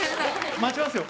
待ちますよ。